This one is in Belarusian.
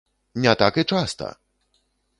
Не так і часта!